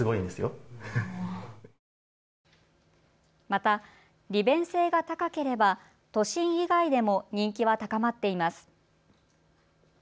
また利便性が高ければ都心以外でも人気は高まっています。